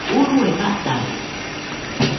urue batade